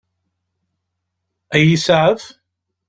Ad iyi-iseɛef?